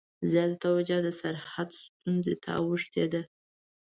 زیاته توجه د سرحد ستونزې ته اوښتې ده.